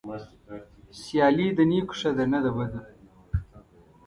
سيالي د نيکو ښه ده نه د بدو.